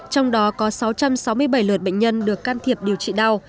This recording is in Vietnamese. trong đó có sáu trăm sáu mươi bảy lượt bệnh nhân được can thiệp điều trị đau